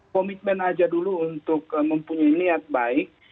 komitmen aja dulu untuk mempunyai niat baik